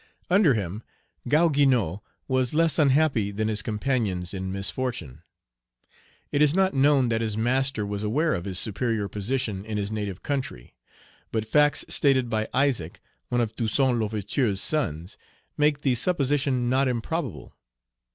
Under him Gaou Guinou was less unhappy than his companions in misfortune. It is not known that his master was aware of his superior position in his native country; but facts stated by Isaac, one of Toussaint L'Ouverture's sons, make the supposition not improbable.